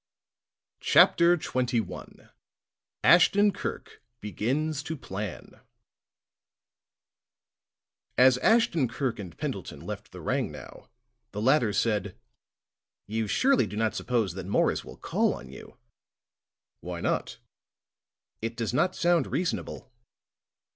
CHAPTER XXI ASHTON KIRK BEGINS TO PLAN As Ashton Kirk and Pendleton left the "Rangnow," the latter said: "You surely do not suppose that Morris will call on you?" "Why not?" "It does not sound reasonable."